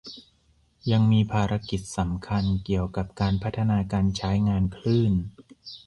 ยังมีภารกิจสำคัญเกี่ยวกับการพัฒนาการใช้งานคลื่น